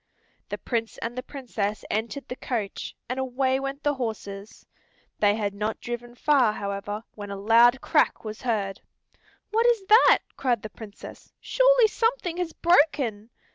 The Prince and the Princess entered the coach, and away went the horses. They had not driven far, however, when a loud crack was heard. "What is that?" cried the Princess. "Surely something has broken."